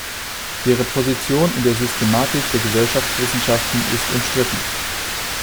Ihre Position in der Systematik der Gesellschaftswissenschaften ist umstritten.